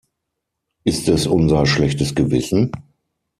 Ist es unser schlechtes Gewissen?